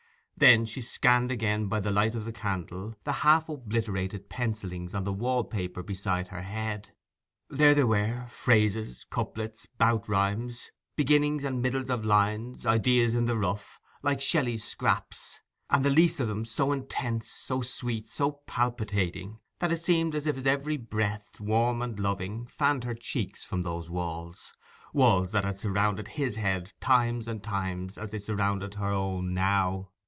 Then she scanned again by the light of the candle the half obliterated pencillings on the wall paper beside her head. There they were—phrases, couplets, bouts rimés, beginnings and middles of lines, ideas in the rough, like Shelley's scraps, and the least of them so intense, so sweet, so palpitating, that it seemed as if his very breath, warm and loving, fanned her cheeks from those walls, walls that had surrounded his head times and times as they surrounded her own now.